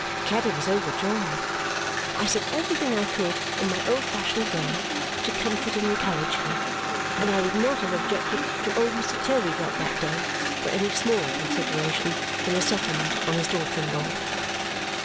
Caddy was overjoyed. I said everything I could in my old fashioned way to comfort and encourage her, and I would not have objected to old Mr. Turveydrop that day for any smaller consideration than a settlement on his daughter in law.